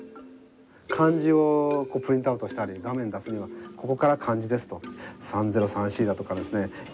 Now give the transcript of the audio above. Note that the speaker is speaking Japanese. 漢字をプリントアウトしたり画面出すにはここから漢字ですと３０３Ｃだとかですね